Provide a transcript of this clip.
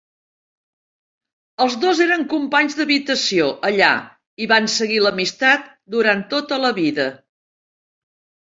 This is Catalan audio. Els dos eren companys d'habitació allà i van seguir l'amistat durant tota la vida.